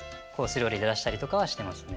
料理で出したりとかはしてますね。